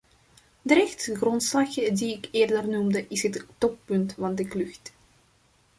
De rechtsgrondslag die ik eerder noemde, is het toppunt van de klucht.